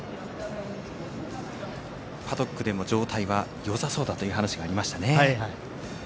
パドックでも状態はよさそうだという話がありましたね。